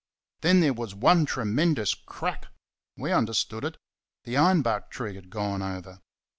Then there was one tremendous crack we understood it the iron bark tree had gone over.